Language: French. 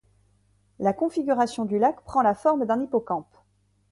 La configuration du lac prend la forme d'un hippocampe.